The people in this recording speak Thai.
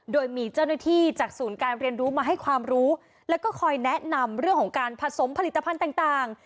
โดยมีเจ้าหน้าที่จากศูนย์การเรียนรู้มาให้ความรู้แล้วก็คอยแนะนำเรื่องของการผสมผลิตภัณฑ์ต่าง